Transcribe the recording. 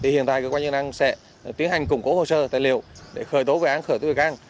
hiện tại cơ quan chức năng sẽ tiến hành củng cố hồ sơ tài liệu để khởi tố vệ án khởi tố vệ căng